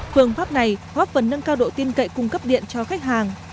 phương pháp này góp phần nâng cao độ tin cậy cung cấp điện cho khách hàng